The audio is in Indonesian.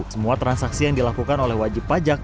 semua transaksi yang dilakukan oleh wajib pajak